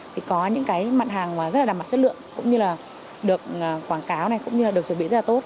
thì có những cái mặt hàng rất là đảm bảo chất lượng cũng như là được quảng cáo này cũng như là được chuẩn bị rất là tốt